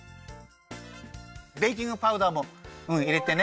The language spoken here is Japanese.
ベーキングパウダーもうんいれてね。